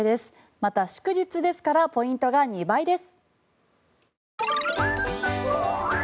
また、祝日ですからポイントが２倍です。